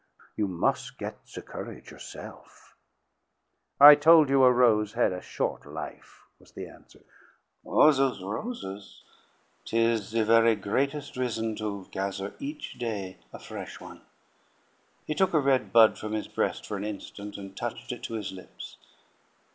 You mus' get the courage yourself." "I told you a rose had a short life," was the answer. "Oh, those roses! 'Tis the very greates' rizzon to gather each day a fresh one." He took a red bud from his breast for an instant, and touched it to his lips.